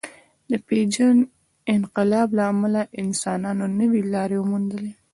د پېژاند انقلاب له امله انسانانو نوې لارې وموندلې.